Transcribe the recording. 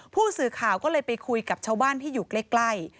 ผู้สื่อข่าวก็เลยไปคุยกับชาวบ้านที่อยู่ใกล้